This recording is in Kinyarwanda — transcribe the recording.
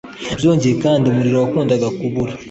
byongeye kandi umuriro wakundaga kubur